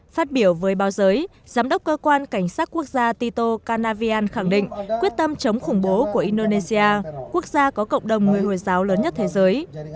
phát biểu với báo giới giám đốc cơ quan cảnh sát quốc gia tito canavian khẳng định quyết tâm chống khủng bố của indonesia quốc gia có cộng đồng người hồi giáo lớn nhất thế giới